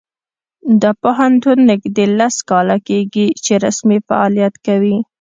دا پوهنتون نږدې لس کاله کیږي چې رسمي فعالیت کوي